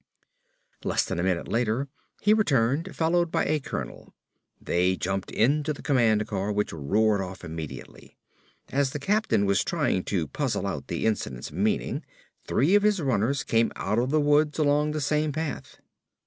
Less than a minute later he returned, followed by a colonel. They jumped into the command car which roared off immediately. As the captain was trying to puzzle out the incident's meaning, three of his runners came out of the woods along the same path.